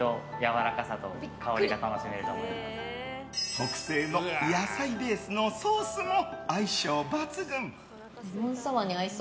特製の野菜ベースのソースも相性抜群！